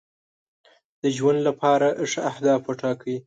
د ژوند لپاره ښه اهداف وټاکئ.